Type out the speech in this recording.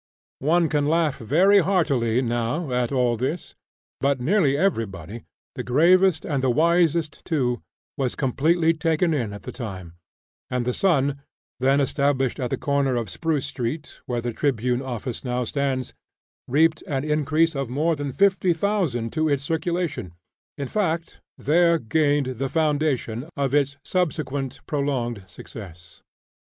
One can laugh very heartily, now, at all this; but nearly everybody, the gravest and the wisest, too, was completely taken in at the time: and the "Sun," then established at the corner of Spruce street, where the "Tribune" office now stands, reaped an increase of more than fifty thousand to its circulation in fact, there gained the foundation of its subsequent prolonged success.